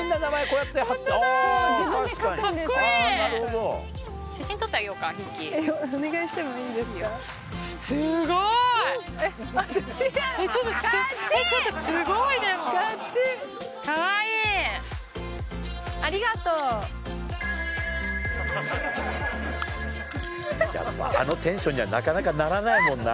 やっぱあのテンションにはなかなかならないもんな。